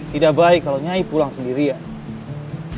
tidak baik kalau nyai pulang sendirian